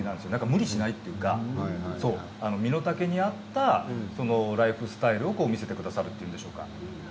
無理しないというか身の丈に合ったライフスタイルを見せてくださるというんでしょうか。